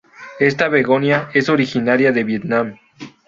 Esta "begonia" es originaria de Vietnam.